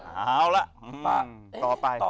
เอาละต่อไป